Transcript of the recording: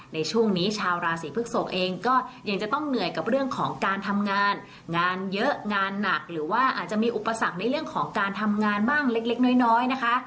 ในช่วงนี้ชาวราศีพฤกษกเองก็ยังจะต้องเหนื่อยกับเรื่องของการทำงานงานเยอะงานหนักหรือว่าอาจจะมีอุปสรรคในเรื่องของการทำงานบ้างเล็กน้อยนะคะ